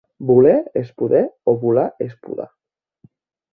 ¿Voler és poder o volar és podar?